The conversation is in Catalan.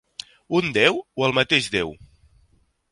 Un déu o el mateix Déu?